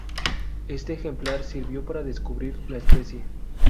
Este ejemplar sirvió para describir la especie.